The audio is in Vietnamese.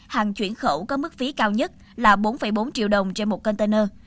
hàng chuyển khẩu có mức phí cao nhất là bốn bốn triệu đồng trên một container